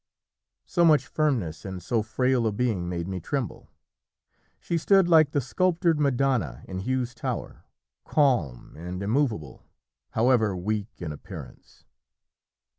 So much firmness in so frail a being made me tremble. She stood like the sculptured Madonna in Hugh's tower, calm and immovable, however weak in appearance.